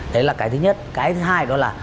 đấy là cái thứ nhất cái thứ hai đó là